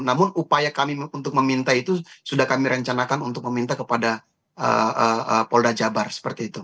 namun upaya kami untuk meminta itu sudah kami rencanakan untuk meminta kepada polda jabar seperti itu